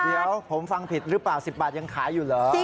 เดี๋ยวผมฟังผิดหรือเปล่า๑๐บาทยังขายอยู่เหรอ